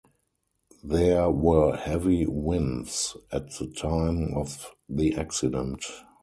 There were heavy winds at the time of the accident.